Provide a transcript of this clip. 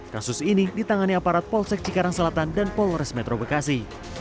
kasus ini ditangani aparat polsek cikarang selatan dan polres metro bekasi